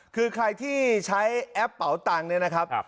คือใครที่ใช้แอปเป๋าตังค์เนี่ยนะครับ